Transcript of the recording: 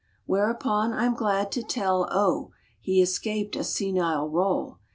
Whereupon I m glad to tell, O, He escaped a senile role.